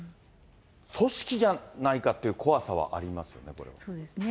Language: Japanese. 組織じゃないかっていう怖さはありますよね、そうですね。